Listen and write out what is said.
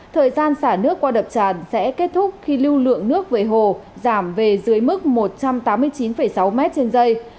thời gian xả nước qua đập tràn sẽ kết thúc khi lưu lượng nước về hồ giảm về dưới mức một trăm tám mươi chín sáu m trên dây